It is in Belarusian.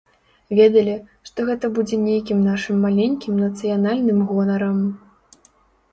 Ведалі, што гэта будзе нейкім нашым маленькім нацыянальным гонарам.